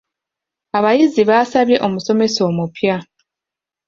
Abayizi baasabye omusomesa omupya.